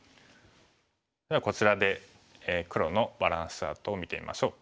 ではこちらで黒のバランスチャートを見てみましょう。